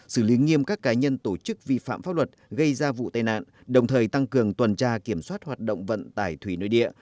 xử lý nghiêm các cá nhân tổ chức vi phạm pháp luật gây ra vụ tai nạn đồng thời tăng cường tuần tra kiểm soát hoạt động vận tải thủy nội địa